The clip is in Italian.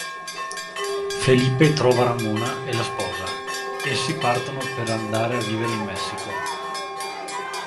Felipe trova Ramona e la sposa; essi partono per andare a vivere in Messico.